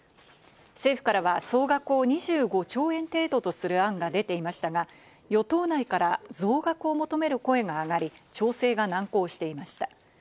政府からは総額を２５兆円程度とする案が出ていましたが、与党内から増額を求める声が上がり、調整が難航していました。